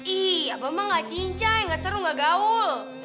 ih abah emang gak cincah gak seru gak gaul